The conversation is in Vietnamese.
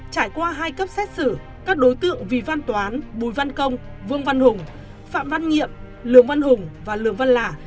trải qua hai cấp xét xử các đối tượng vì văn toán bùi văn công vương văn hùng phạm văn nhiệm lường văn hùng và lường văn lả